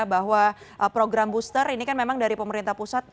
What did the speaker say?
bahwa program booster ini kan memang dari pemerintah pusat